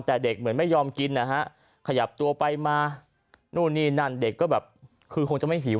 แต่เด็กเหมือนไม่ยอมกินนะฮะขยับตัวไปมานู่นนี่นั่นเด็กก็แบบคือคงจะไม่หิว